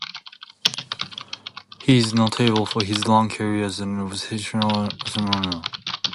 He is notable for his long career as an observational astronomer.